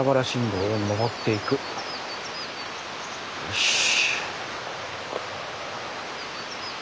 よし。